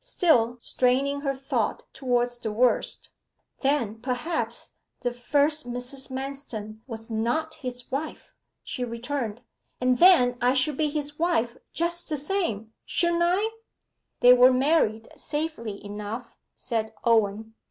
Still straining her thought towards the worst, 'Then, perhaps, the first Mrs. Manston was not his wife,' she returned; 'and then I should be his wife just the same, shouldn't I?' 'They were married safely enough,' said Owen.